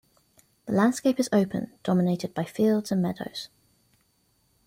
The landscape is open, dominated by fields and meadows.